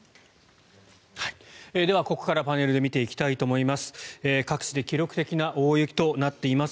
では、ここからパネルで見ていきたいと思います。